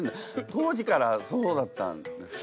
当時からそうだったんですね。